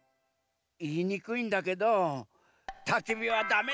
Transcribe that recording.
いいにくいんだけどたきびはだめざんす！